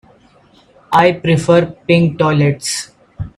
I prefer pink toilets.